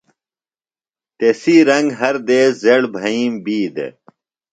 تسی رنگ ہر دیس زڑ بھئیم بی دےۡ۔